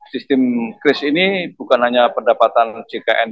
sistem kris ini bukan hanya pendapatan jkn